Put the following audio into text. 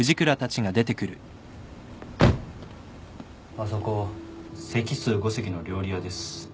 あそこ席数５席の料理屋です。